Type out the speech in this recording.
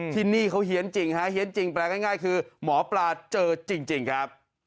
ที่นี่เขาเหยียนจริงแปลงง่ายคือหมอปลาเจอจริงครับ